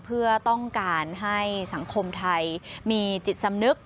เพื่อต้องการให้สังคมไทยมีจิตสำนึก